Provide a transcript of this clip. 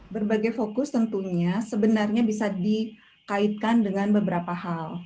berbagai fokus tentunya sebenarnya bisa dikaitkan dengan beberapa hal